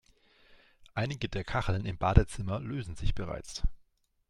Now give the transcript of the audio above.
Einige der Kacheln im Badezimmer lösen sich bereits.